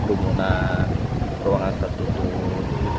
rumunan ruangan tertutup